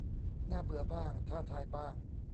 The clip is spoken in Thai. น่าเบื่อบ้าง ท้าทายบ้าง